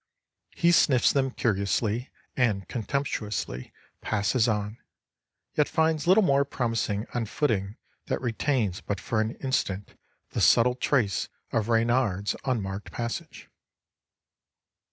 He sniffs them curiously and contemptuously passes on, yet finds little more promising on footing that retains but for an instant the subtle trace of reynard's unmarked passage.